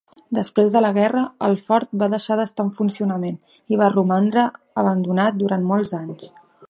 Després de la guerra, el fort va deixar d'estar en funcionament i va romandre abandonat durant molts anys.